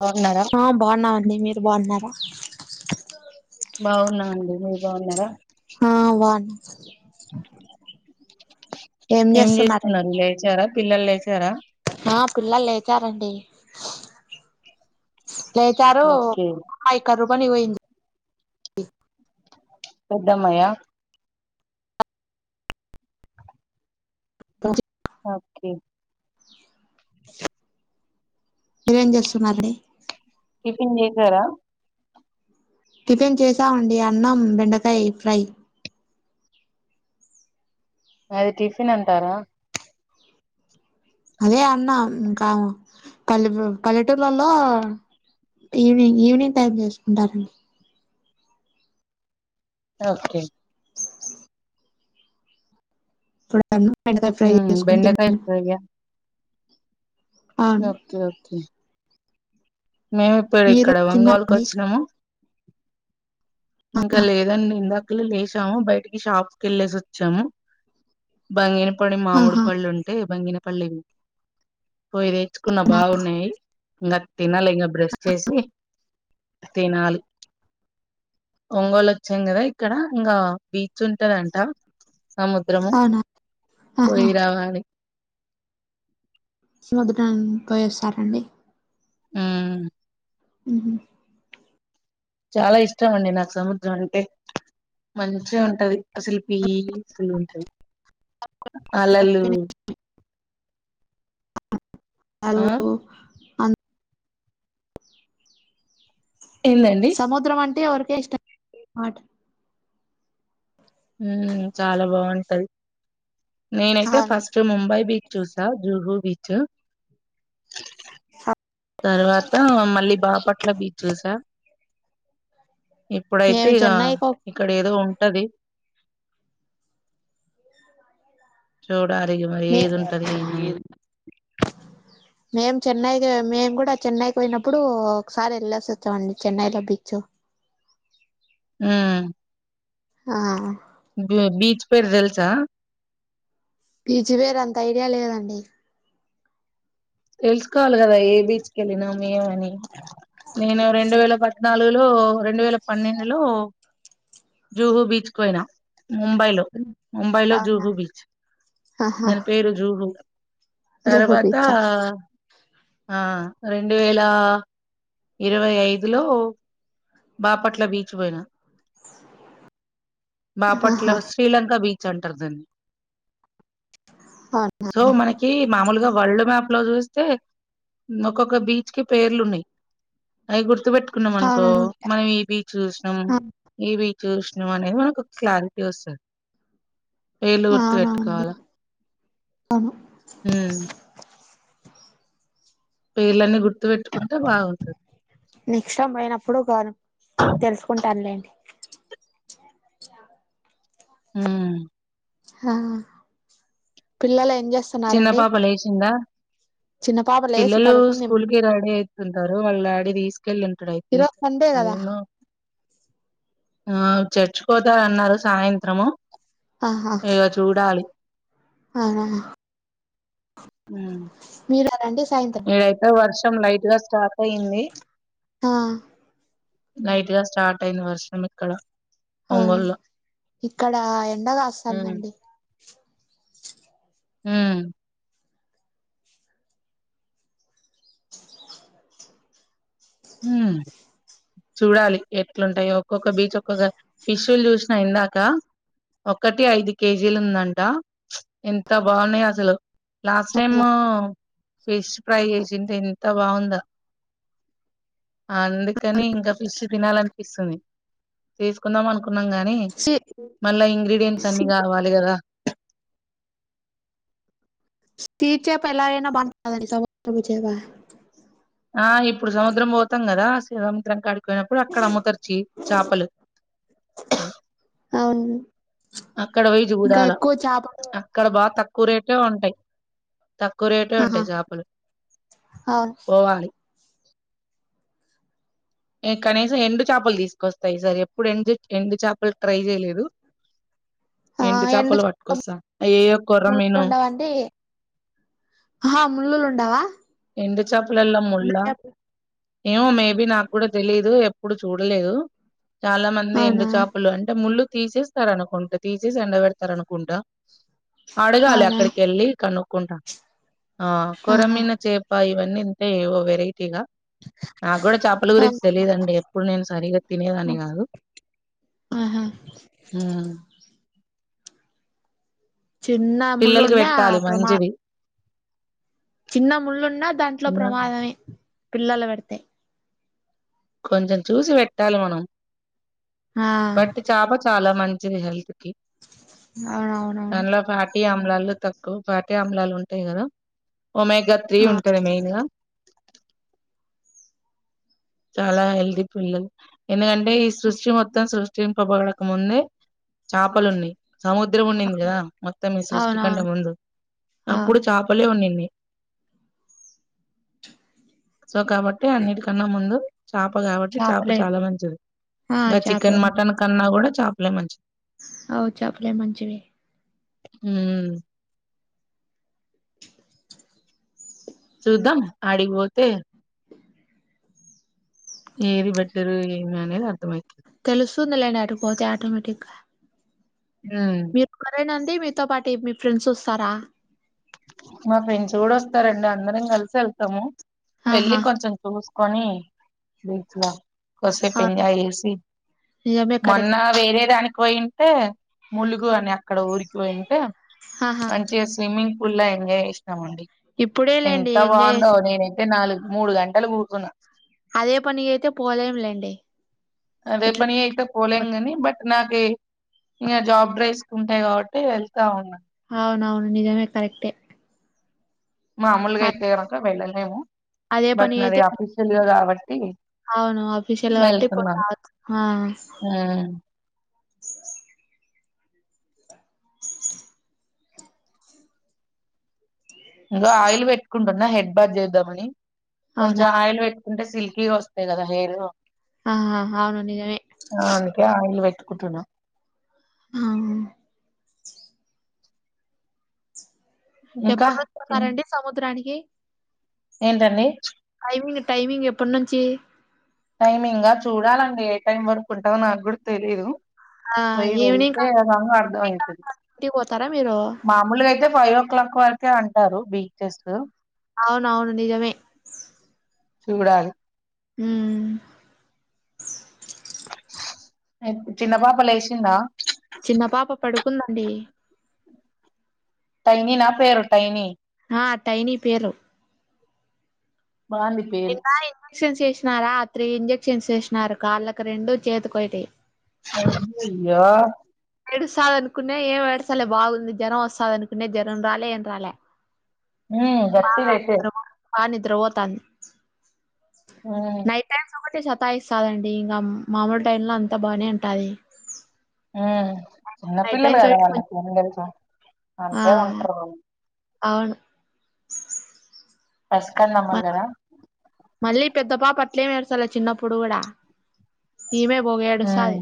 బోన్నారా ఆ బొన్నం అండి మీరు బోన్నారా బావున్నా అండి మీరు బావున్నారా ఆ బొన్నం ఏం చేస్తున్నారు లేచారా పిల్లలేచారా ఆ పిల్లలేచారండి లేచారు ఓకే హయకర్రుపని పోయింది పెద్దమ్మాయా స ఓకే మీరేం చేస్తున్నారండి టిఫిన్ చేసారా టిఫెన్ చేసామండి అన్నం బెండకాయ ఫ్రై అది టిఫిన్ అంటారా అదే అన్న ఇంకా పల్లె పల్లెటూర్లలో ఈవినింగ్ ఈవినింగ్ టైమ్ చేసుకుంటారండి ఓకే ఇప్పుడు అన్నం బెండకాయ ఫ్రై ఉమ్ చేసుకోని బెండకాయ తిన్నాం ఫ్రై యా అవును ఓకే ఓకే మేము ఇప్పుడు మీరు ఇక్కడ ఒంగోల్ కి తిన్నారండి వచ్చినాము ఇంకా లేదండి ఇందాక కిలీ లేసాము బయటికి షాప్స్ కి వెళ్ళేసి వచ్చాము బంగినపడి మామిడి ఆహా పళ్ళు ఉంటే బంగినపల్లి పో తెచ్చుకున్న అవునా బాగున్నాయి ఇంగ తినాలి ఇంగ బ్రష్ చేసి తినాలి ఒంగోలు వచ్చాం కదా ఇక్కడ ఇంగా బీచ్ ఉంటది అంట సముద్ ద్రము అవునా ఆహా పోయి రావలి చూడటం పోయేస్తారండి ఆ ఉహు చాలా ఇష్టం అండి నాకు సముద్రం అంటే మంచిగా ఉంటది అసల్ పిస్ పుల్ గా ఉంటది అలలు ఆ హలో అన్ ఏందండి సముద్రం అంటే ఎవరికి ఇష్టం మాట్ ఊ చాలా బాగుంటది నేనైతే అవును ఫస్ట్ చ్‌ ముంబై బీచ్ చూసా జుహూ బీచ్ తర్వాత మళ్ళీ బాపట్ల బీచ్ చూసా ఇప్పుడైతే మేము ఇగ చెన్నైకి ఇక్కడ ఏదో ఉంటది చూడలి ఇగ మరి ఏది ఉంటది ఏంది అనేది చూ మేము చెన్నై కి మేము కూడా చెన్నైకి పోయినప్పుడు ఒకసారి వెళ్ళేసి వచ్చాం అండి చెన్నైలో బీచ్ ఉ ఆ గో బీచ్ పేరు తెలుసా బిచ్ పేరు అంత ఐడియా లేదండి తెలుసుకోవాలీ కదా ఏ బీచ్ కి వెళ్ళినాం ఏమని నేను రెండు వేల ప ద్నాలుగులో రెండు వేల పన్నెండు లో జూహూ బీచ్ కు పోయిన ముంబైలో ముంబైలో అవునా జూహు బీచ్ దాని పేరు జూహు జుహూ తర్వాతా బీచ్ ఆ రెండు వేల ఇరవై ఐదు లో బాపట్ల బీచ్ పోయినా బాపట్లా ఆహా అవ్స్ పిలంక బీచ్ అంటారు దాన్ని అటా నా సో మనకి మామూలుగా వల్డ్ మ్యాప్ లో చూస్ తె ఒక్కొక్క బీచ్ కి పేర్లు ఉన్నాయ్ అవి గుర్తుపెట్టు కున్నాం అనుకో అవునవును మనం ఈ బీచ్ చూసినం ఆ, ఇ బీచ్ చూసినాం అనేది మనకు క్లారిటీ వస్తది ఆహా [unintelligible] అవును ఉ పేర్లు అన్ని గుర్తు పెట్టుకుంటే బాగుంటది నెక్స్ట్ ఉంటానులేండి ఊ హ పిల్లల ఏం చేస్ చిన్న పాప లేసిందా చిన్న పాప లేసి పిల్లలూ పడుకుంది స్కూల్ మళ్ళీ కి రెడి అయితుంటారు వాళ్ళ డాడీ తీసుకెళ్ళింటడు అయి ఇరో సండే కదా ఆ చెర్చ్ పోతారు అన్నారు సాయంత్రము ఆహా ఇగ చూడాలి అవును ఉ మీర రండి సాయంత్ ఐతే వర్షం లైట్ గా స్టార్ట్ అయ్యింది ఆ లైట్ గా స్టార్ట్ అయింది వర్షం ఇక్కడ ఆ ఒంగోలులో ఇక్కడ ఎండ హ్మ్ కాస్తందండి ఉ ఉ చూడాలి ఎట్లుంటాయో ఒక్కొక్క బీచ్ ఒక్కొక్క ఫిష్లు చూసినా ఇందాక ఒకటి ఐదు కేజీలు ఉందంట ఎంత బాగున్నాయో అసలు లాస్ట్ టైము ఫిష్ ఫ్రై చేసింటే ఎంత బాగుందో అందుకని ఇంకా ఫిష్ తినాలనిపిస్తుంది తీసుకుందాం అనుకున్నాం గాని సి మళ్ళా ఇంగ్రిడియంట్స్ అన్ని కావాలి కదా టీ చేప ఎలా అయినా బాగుంటదండి [unintelligible] చేప ఆ ఇప్పుడు సముద్రం పోతాం కదా సముద్రం కాడికి పోయినప్పుడు అక్కడ అమ్ముతారు చి చాపలు అవును అక్కడ పోయి ఇంకా చూడాల ఎక్కువ చేపలు అక్కడ బాగా తక్కువ రేటే ఉంటాయి తక్ కువ రేటే ఆహా ఉంటాయి చాపలు అవును పోవాలి ఈ కనీసం ఎండు చేపలు తీసుకొస్తా ఈసారి ఎప్పుడు ఎండు ఎండు చేపలు ట్రై చేయలేదు ఎండు చేపల పట్టుకొస్తా అయ్యయ్యో కొర్ర ముళ్ళు మీను ఉండవా అండి ఉండవా ఎండు చాపలల్లో ఎండు ముళ్ళు చేపలు? ఏమో మేబి నాకు కూడా తెలీదు ఎప్పుడు చూడలేదు చాలా మంది ఎండు అవునా చేపులు అంటే ముళ్ళు తీసేస్తారు అనుకుంటా తీసేసి ఎండబెడతారు అనుకుంటా అడగాలి అవునా అక్కడికి వెళ్ళి కనుక్కుంటా ఆ ఆహా కొరమిన చే బా ఇవన్నీ ఉంటాయి ఏవో వెరైటీగా నాకు కూడా చాపల గురించి అవును. తెలియదండి ఎప్పుడు నేను సరిగ్గా తినేదాన్ని కాదు ఆహా ఉ చిన్న ముళ్ళు పిల్లలకి ఉండా పెట్టాలి అప్పుడు మా మంచిది. చిన్న ముళ్ళున్న దాంట్లో చిన్న ప్రమాదమే పిల్లలు పెడితే కొంచెం చూసి పెట్టాలి మనం ఆ బట్ చాప చాలా మంచిది హెల్త్ కి అవునవునవును ఈ ఆమ్లాలు తక్కువ పాటి అమ్లాలు ఉంటాయి కదా ఒమెగా త్రీ ఆ ఉంటంది మెయిన్ గా చాలా హెల్తీ పిల్లలు ఎందుకంటే ఈ సృష్టి మొత్తం సృష్టింప పడక ముందే చేపలు ఉన్నాయి సముద్రం ఉన్నింది కదా మొత్తం మీ సృష్టి కంటే అవునవును ముందు ఆ అప్పుడు చేపలే ఉన్నింది సో కాబట్టి అన్నిటికన్నా ముందు చేప కాబట్టి చేప చేపలే చాలా మంచిది ఆ ఇంకా చికెన్ చేపలే మటన్ కన్నా కూడా చేపలే మంచిది ఔ చాపలే మంచివి హ్మ్మ్ చూద్దాం అడికి పోతే ఏది బెట్టరు ఏమి అనేది అర్థమైతది తెలుస్తుంది లెండి ఆడికి పోతే ఆటోమేటిక్ గా హ మీరు ఒక్కరేనా అండి మీతో పాటు మీ ఫ్రెండ్స్ వస్తారా మా ఫ్రెండ్స్ కూడా వస్తారండి అందరం కలిసే వెళ్తాము వెళ్లి ఆహా కొంచెం చూసీ కొనీ బీచ్ లో కాసేపు అవును ఎంజాయ్ చేసి నిజమే మొన్న కరెక్ట్ వేరే దానికి పోయింటే ములుగు అని అక్కడ ఊరికి పోయింటే ఆహా జె స్విమ్మింగ్ పూల్లొ ఎంజాయ్ చేసినం అండి ఇప్పుడే లేండి ఎంత ఎంజాయ్ బాగుందో చేసి నేను నీ నాలుగు మూడు గంటలు కూర్చున్న అదే పనిగా అయితే పోలేం లెండి అదే పని అయితే ఏతే పోలేంగని బట్ నాకె ఇంకా జాబ్ డ్రేసుకుంటాయి కాబట్టి వెళ్తా ఉన్నా అవునవును నిజమే కరెక్టే మామూలుగా అద్ అయితే కనుక వెళ్ళలేము అదే పని బట్ నాది అయితే అఫీషియల్ గా కాబట్టి అవును ఆఫీషియల్ కాబట్టి పోతా ఆ ఆ ఇదిగో ఆయిల్ పెట్టుకుంటున్నా హెడ్ బాత్ చేద్దామని అవునా కొంచెం ఆయిల్ పెట్టు అంటే సిల్కిగా వస్తాయి కదా హెయిర్ ఆ హా అవును నిజమే ఆ అందుకే ఆయిల్ పెట్టుకుంటున్న హావు ఇంకా ఎప్పుడు వచ్చున్నారండి సముద్రానికి ఏంటండి టైమింగ్ టైమింగ్ ఎప్పుడు నుంచి టైమింగా చూడాలండి ఏ టైం వరకు ఉంటుందో నాకు కూడా తెలీదు ఆ పోయి ఈవినింగ్ వెళ్ళితే ఏదన్నా అర్ధం అయితది ఇంటికి పోతారా మీరు మా మామూలుగా అయితే ఫైవ్ ఓ క్లాక్ వరకే అంటారు బీచెస్ అవున అవును నిజమే చూడాలి ఉమ్ ఏ చిన్న పాపలేసిందా చిన్న పాప పడుకుందండి టైని నా పేరు టైని ఆ టైని పేరు బాంది నిన్న ఇంజెక్షన్స్ చేసినారా త్రీ ఇంజక్షన్స్ చేసినారు కాళ్ళకి రెండు చేతి కోటి అయ్యో ఏడుస్తాదనుకున్న ఏం ఏడ్సలె బాగుంది జ్వరం వస్తుంది అనుకునేే జ్వరం రాలే ఏం రాలే ఉ జర్త అయితే హా నిద్ర ఓతాంది ఆ టైస్ ఒకటి సతా ఇస్తాదండి ఇంకా మామూలు టైమ్ లో అంతా బాగానే ఉంటుది ఉమ్ చిన్న నైట్ పిల్లలు టైమ్స్ కదా ఒకటి వాళ్ళ కొంచెం వాళ్లకేంతెలుసు ఆ అంతే ఉంటారు అవును అసుక మ అమలుగరా మళ్ళీ పెద్ద పాపట్లేమి ఏడుసల చిన్నప్పుడు కూడా ఈమె బోగ ఉమ్ ఏడుస్తాది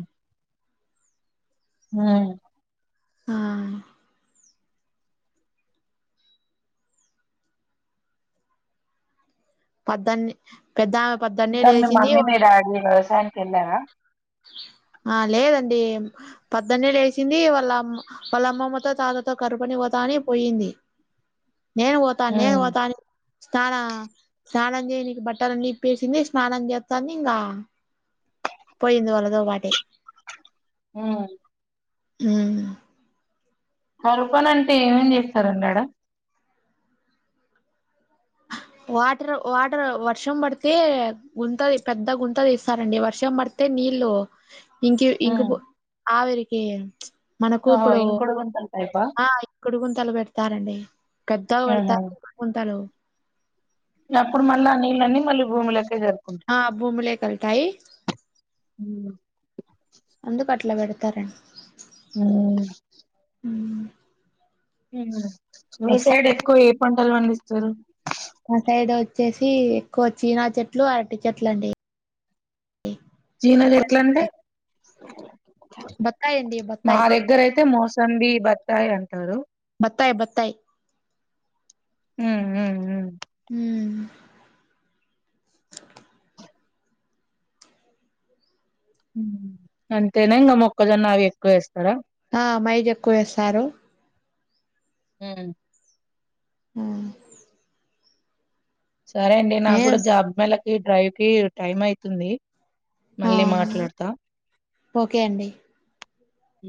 ఉమ్మ్ ఆ పద్దాన్ని పెద్ద అమె ప ఇంకా మీ మమ్మీ మీ డాడి వ్యవసాయనికి ఎల్లారా ఆ లేదండి పద్దన్న లేసింది వాళ్ళమ్మ వాళ్ళ అమ్మమ్మతో తాతతో కరుపని పోతా అని పోయింది నేను పోతా నేను ఉమ్ పోతా స్నానాం స్నానం చేయనికి బట్టల అన్నీప్పెసింది స్నానం చేత్తాంది పోయింది వాళ్ళతోపాటే ఉ హ కోరపన అంటే ఏమేం చేస్తారండాడ వాటర్ వాటర్ వర్షం పడితే గుంత పెద్ద గుంత తీస్తారండి వర్షం పడితే అంతే నీళ్ళ ఇంకి ఉమ్ ఇంకిపొ ఆవిరికి మనకు ఆ ఇంగ్ కొడుగుంతల టైప కుడిగుంతలు పెడతారండి పెద్దగా ఉహు పెడతారు గుడిగుంతలు అప్పుడు మళ్ళీ ఆ నీళ్ళ అన్న మళ్ళీ భూమి లోకే జారుకుంట ఆ భూమిలే కల్తాయి ఉ అందు కట్లా పెడతారని హ మీ వస్తాడు సైడ్ ఎక్కువ ఏ పంటలు పండిస్తారు ఆ సైడ్ వచ్చేసి ఎక్కువ చీనా చెట్లు అరటి చెట్లు అండి జీన చెట్టలు అంటే బత్తాయి అండి మా బత్తాయి దగ్గర అయితే మోస్ట్ సంది బత్తాయ అంటారు బత్తాయి బత్తాయి ఉ ఉ ఉ హ అంతేనా ఇంకా మొక్కజొన్న అవి ఎక్కువ వేస్తారా ఆ మైజ్ ఎక్కువ వేస్తారు ఉమ్ ఆ సరే అండి నాకు ఏ కూడా జాబ్ మేలకి డ్రైవ్ కి టైం అయితుంది ఆ మళ్ళీ మాట్లాడతా ఓకే అండి ఉ